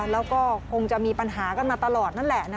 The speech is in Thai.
แล้วก็คงจะมีปัญหากันมาตลอดนั่นแหละ